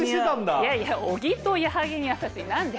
いやいや小木と矢作にやさしい何で？